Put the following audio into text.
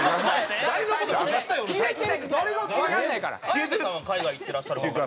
綾部さんは海外行ってらっしゃるから。